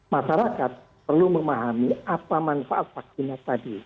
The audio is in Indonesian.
masyarakat perlu memahami apa manfaat vaksinnya tadi